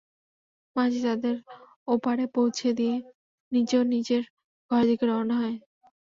মাঝি তাদের ওপারে পৌঁছে দিয়ে নিজেও নিজের ঘরের দিকে রওনা হয়।